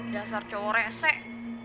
dasar cowoknya sih